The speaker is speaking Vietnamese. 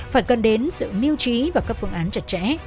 phải cần đến sự miêu trí và các phương án chặt chẽ